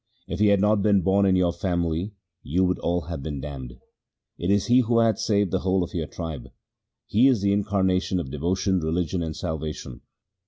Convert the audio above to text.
If he had not been born in your family, you would all have been damned. It is he who hath saved the whole of your tribe. He is the incarnation of devotion, religion, and salvation.